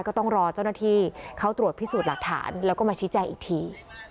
ก็ต้องรอเจ้าหน้าที่เขาตรวจพิสูจน์หลักฐานแล้วก็มาชี้แจ้งอีกที